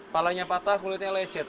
palanya patah kulitnya lecet